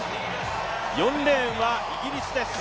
４レーンはイギリスです。